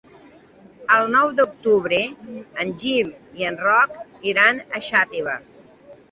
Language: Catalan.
El nou d'octubre en Gil i en Roc iran a Xàtiva.